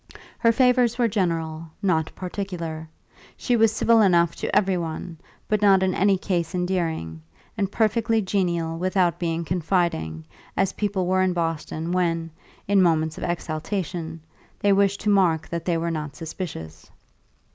Her favours were general, not particular; she was civil enough to every one, but not in any case endearing, and perfectly genial without being confiding, as people were in Boston when (in moments of exaltation) they wished to mark that they were not suspicious.